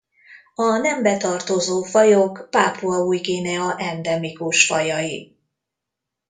A nembe tartozó fajok Pápua Új-Guinea endemikus fajai.